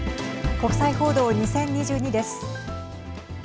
国際報道２０２２です。